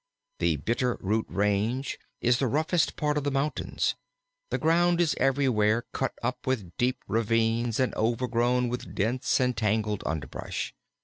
The Bitter root Range is the roughest part of the mountains. The ground is everywhere cut up with deep ravines and overgrown with dense and tangled underbrush.